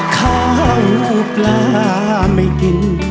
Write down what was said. ข้าวปลาไม่กิน